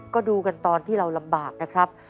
ก็ดูกันตอนที่เราลำบากนะครับ